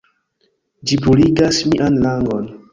Ĝi bruligas mian langon!